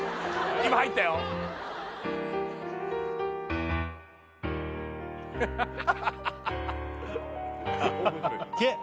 今入ったよハハハハッ・